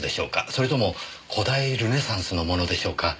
それとも古代ルネサンスのものでしょうか？